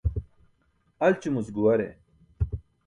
Alćumuc guware.